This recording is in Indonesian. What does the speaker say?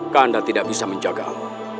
kanda tidak bisa menjagamu